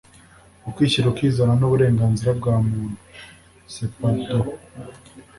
ukwishyira ukizana n’uburenganzira bwa muntu (Cepadho)